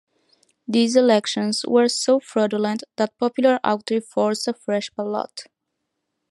These elections were so fraudulent that popular outcry forced a fresh ballot.